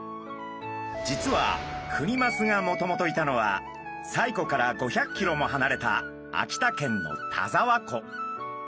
実はクニマスがもともといたのは西湖から５００キロもはなれた秋田県の田沢湖。